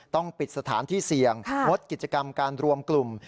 ต้องปิดสถานที่เสี่ยงงดกิจกรรมการรวมกลุ่ม